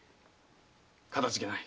かたじけない。